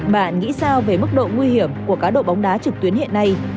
bạn nghĩ sao về mức độ nguy hiểm của cá độ bóng đá trực tuyến hiện nay